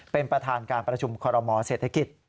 เป็นประธานการประชุมคอรมอเศรษฐกิจ